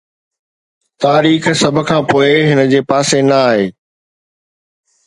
تاريخ سڀ کان پوء هن جي پاسي نه آهي